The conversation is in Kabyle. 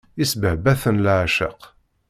Isbehba-ten leɛceq.